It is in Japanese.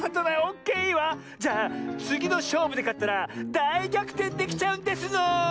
じゃあつぎのしょうぶでかったらだいぎゃくてんできちゃうんですの。